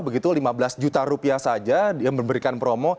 begitu lima belas juta rupiah saja dia memberikan promo